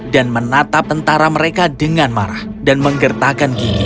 dan menatap tentara mereka dengan marah dan menggertakkan gigi